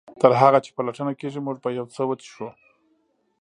تر هغه چې پلټنه کیږي موږ به یو څه وڅښو